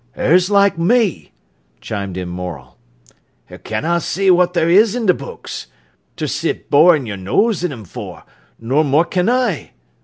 "'Er's like me," chimed in Morel. "'Er canna see what there is i' books, ter sit borin' your nose in 'em for, nor more can I."